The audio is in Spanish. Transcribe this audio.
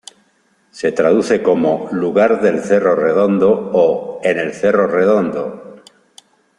Se traduce como "Lugar del cerro redondo" o "En el cerro redondo".